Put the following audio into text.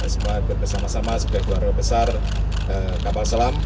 semua bersama sama sebagai keluarga besar kapal selam